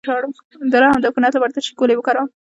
د رحم د عفونت لپاره د څه شي ګولۍ وکاروم؟